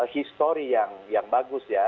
histori yang bagus ya